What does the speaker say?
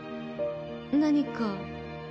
何か。